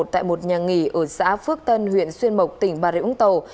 tại một nhà nghỉ ở xã phước tân huyện xuyên mộc tỉnh bà rịa úng tàu